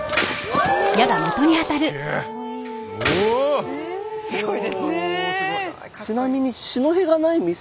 おおすごい。